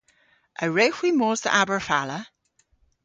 A wrewgh hwi mos dhe Aberfala?